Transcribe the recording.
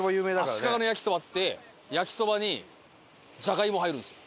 足利の焼きそばって焼きそばにじゃがいも入るんですよ。